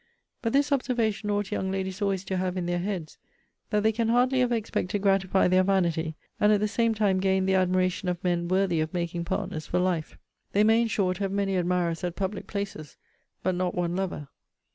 But this observation ought young ladies always to have in their heads, that they can hardly ever expect to gratify their vanity, and at the same time gain the admiration of men worthy of making partners for life. They may, in short, have many admirers at public places, but not one lover.